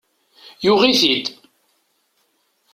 Yuɣ-iyi-t-id.